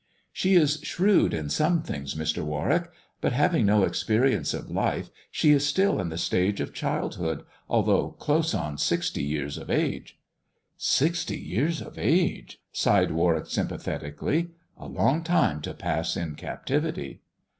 "She is shrewd in some things, Mr. Warwick; but haying no experience of life she is still in the stage of childhood, although close on sixty years of age." "Sixty years of age," sighed Warwick sympathetically; "a long time to pass in captivity."